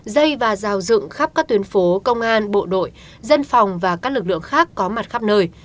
dây và rào dựng khắp các tuyến phố công an bộ đội dân phòng và các lực lượng khác có mặt khắp nơi